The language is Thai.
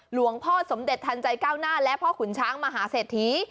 หลวงพ่อสมเด็จทันใจก้าวหน้าและพ่อขุนช้างมหาเศรษฐี